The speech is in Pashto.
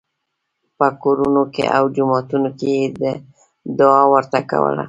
په کورونو او جوماتونو کې یې دعا ورته کوله.